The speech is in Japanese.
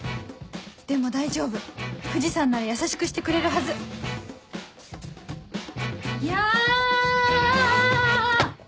でも大丈夫藤さんなら優しくしてくれるはずや。